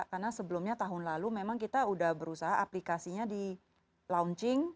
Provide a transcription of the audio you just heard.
karena sebelumnya tahun lalu memang kita udah berusaha aplikasinya di launching